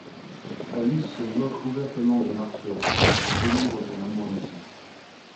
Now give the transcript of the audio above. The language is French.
Alice se moque ouvertement de Marceau, et dénigre son amour naissant.